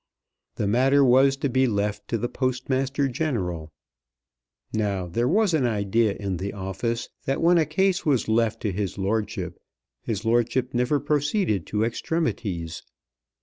The matter was to be left to the Postmaster General. Now there was an idea in the office that when a case was left to his lordship, his lordship never proceeded to extremities.